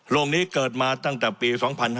นี้เกิดมาตั้งแต่ปี๒๕๕๙